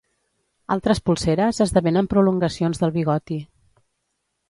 Altres polseres esdevenen prolongacions del bigoti.